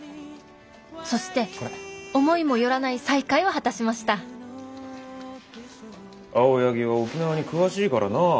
そして思いも寄らない再会を果たしました青柳は沖縄に詳しいからなあ。